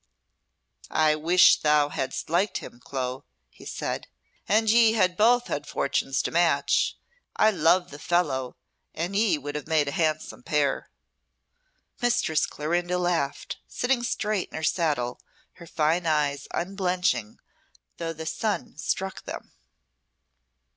"I wish thou hadst liked him, Clo," he said, "and ye had both had fortunes to match. I love the fellow, and ye would have made a handsome pair." Mistress Clorinda laughed, sitting straight in her saddle, her fine eyes unblenching, though the sun struck them.